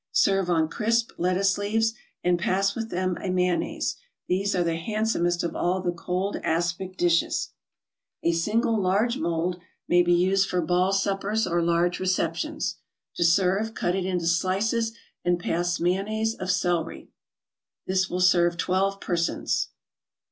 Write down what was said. Serve on crisp lettuce leaves, and pass with them a mayonnaise. These are the handsomest of all the cold aspic dishes. A single large mold may be used for ball suppers or large receptions. To serve, cut it into slices, and pass mayonnaise of celery. This will serve twelve persons.